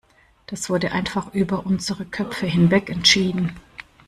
Das wurde einfach über unsere Köpfe hinweg entschieden.